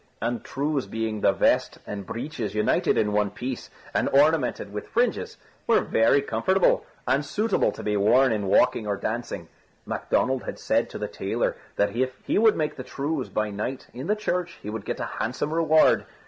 And trews being the vest and breeches united in one piece, and ornamented with fringes, were very comfortable, and suitable to be worn in walking or dancing. And Macdonald had said to the tailor, that if he would make the trews by night in the church, he would get a handsome reward.